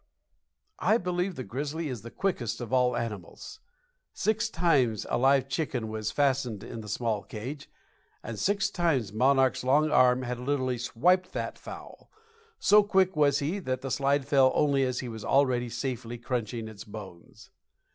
I believe the grizzly is the quickest of all animals. Six times a live chicken was fastened in the small cage, and six times "Monarch's" long arm had literally "swiped" that fowl. So quick was he that the slide fell only as he was already safely crunching its bones.